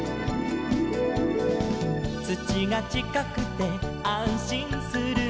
「土がちかくてあんしんするの」